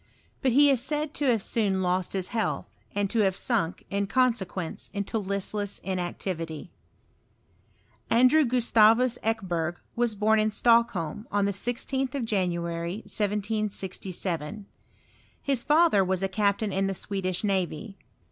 But he is said to have soon lost his health, and to have sunk, in consequence, into listless inactivity. Andrew Gustavus Ekeberg was bom in Stockholm, on the 16th of January, 1767. His father was a captain tn the Swedish navy.